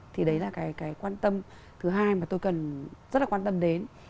thì đấy là cái quan tâm thứ hai mà tôi cần rất là quan tâm đến